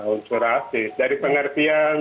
unsur rasis dari pengertian